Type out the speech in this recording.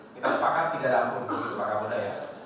kita sepakat tidak dampur bapak ibu daya